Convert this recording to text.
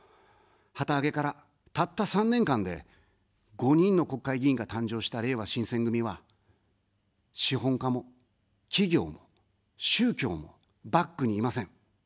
旗揚げから、たった３年間で、５人の国会議員が誕生した、れいわ新選組は、資本家も企業も宗教もバックにいません。